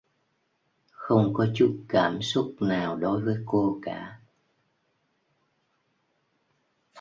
Không có chút cảm xúc nào đối với cô cả